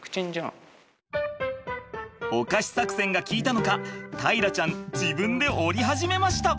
お菓子作戦が効いたのか大樂ちゃん自分で降り始めました。